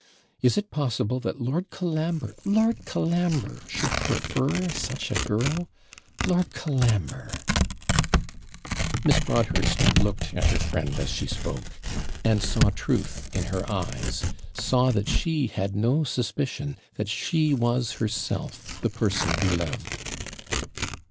Is it possible that Lord Colambre! Lord Colambre! should prefer such a girl Lord Colambre!' Miss Broadhurst looked at her friend as she spoke, and saw truth in her eyes; saw that she had no suspicion that she was herself the person beloved.